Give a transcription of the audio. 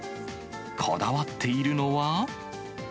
こだわっているのは。